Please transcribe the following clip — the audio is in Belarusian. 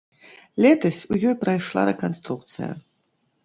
Летась у ёй прайшла рэканструкцыя.